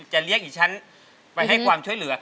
จะเรียกอีกฉันไปให้ความช่วยเหลือ